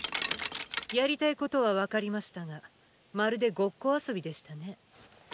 やりたいことは分かりましたがまるでごっこ遊びでしたね。